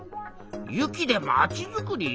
雪でまちづくり？